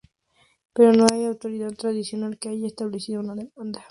Pero no hay una autoridad tradicional que haya establecido esta demanda.